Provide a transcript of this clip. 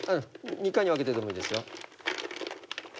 ２回に分けてでもいいですよ。